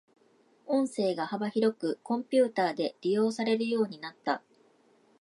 音声が幅広くコンピュータで利用されるようになった。